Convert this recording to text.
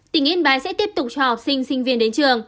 tỉnh yên bái sẽ tiếp tục cho học sinh sinh viên đến trường